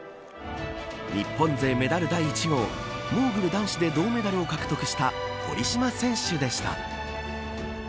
日本勢メダル第１号モーグル男子で銅メダルを獲得した堀島選手でした。